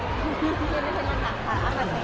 พี่เอ็มเค้าเป็นระบองโรงงานหรือเปลี่ยนไงครับ